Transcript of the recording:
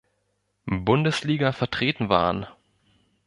Bundesliga vertreten waren.